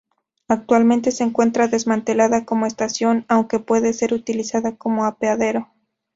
Actualmente se encuentra desmantelada como estación, aunque puede ser utilizada como apeadero.